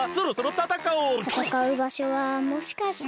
たたかうばしょはもしかして。